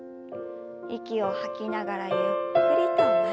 息を吐きながらゆっくりと前に。